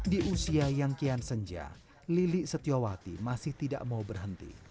di usia yang kian senja lili setiawati masih tidak mau berhenti